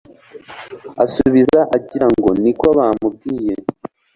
asubiza agira ngo niko bamubwiye